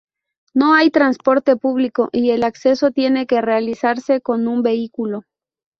No hay transporte público y el acceso tiene que realizarse con un vehículo.